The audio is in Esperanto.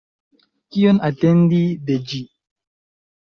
Kion atendi de ĝi?